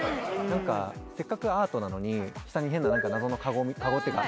なんかせっかくアートなのに、下に変な謎のかごっていうか。